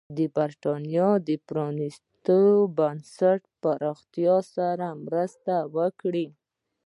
د برېټانیا د پرانېستو بنسټونو پراختیا سره مرسته وکړي.